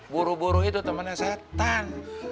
buru buru itu temannya setan